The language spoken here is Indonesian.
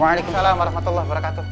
waalaikumsalam warahmatullah wabarakatuh